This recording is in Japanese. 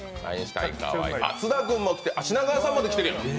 あっ、津田君も来て、品川さんまで来てるやん！